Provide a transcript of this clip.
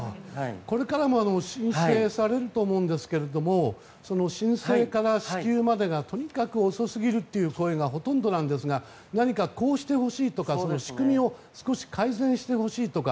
これからも申請されると思うんですが申請から支給までがとにかく遅すぎるという声がほとんどなんですが何か、こうしてほしいとか仕組みを改善してほしいとか